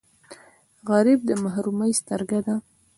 غریب د محرومۍ سترګه ده